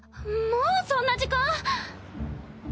もうそんな時間？